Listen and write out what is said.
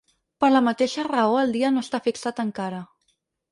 Per la mateixa raó el dia no està fixat encara.